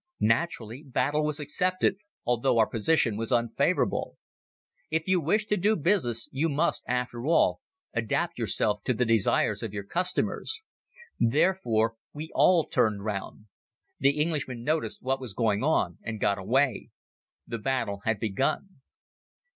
Naturally battle was accepted although our position was unfavorable. If you wish to do business you must, after all, adapt yourself to the desires of your customers. Therefore we all turned round. The Englishman noticed what was going on and got away. The battle had begun.